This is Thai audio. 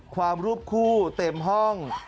รูปคู่เต็มห้อง